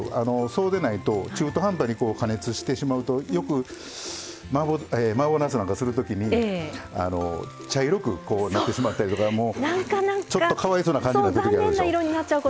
そうでないと中途半端に加熱してしまうとよくマーボーなすなんかする時に茶色くなってしまったりとかちょっとかわいそうな感じになってきはるでしょ。